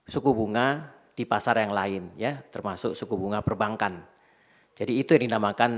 suku bunga di pasar yang lain ya termasuk suku bunga perbankan jadi itu yang dinamakan